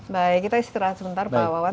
baik kita istirahat sebentar pak wawan